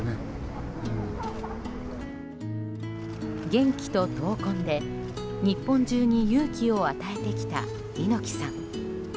元気と闘魂で、日本中に勇気を与えてきた猪木さん。